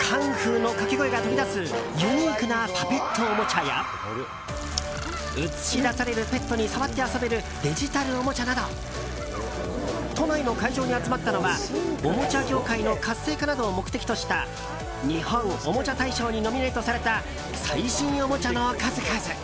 カンフーのかけ声が飛び出すユニークなパペットおもちゃや映し出されるペットに触って遊べるデジタルおもちゃなど都内の会場に集まったのはおもちゃ業界の活性化などを目的とした日本おもちゃ大賞にノミネートされた最新おもちゃの数々。